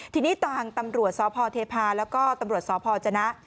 ทีนี้ต่างตำรวจซพเทพาและตำรวจซพจนะ